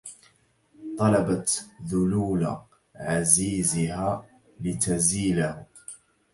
طلبت ذلول عزيزها لتزيله